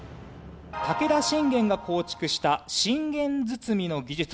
武田信玄が構築した信玄堤の技術は。